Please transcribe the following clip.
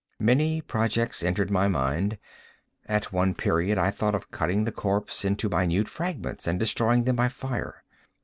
Many projects entered my mind. At one period I thought of cutting the corpse into minute fragments, and destroying them by fire.